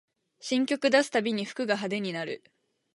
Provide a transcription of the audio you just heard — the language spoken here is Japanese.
新曲出すたびに服が派手になる